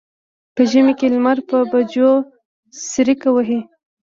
په ژمي کې لمر په بجو څریکه وهي.